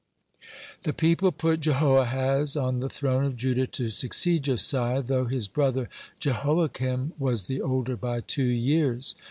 (123) The people put Jehoahaz on the throne of Judah to succeed Josiah, though his brother Jehoiakim was the older by two years.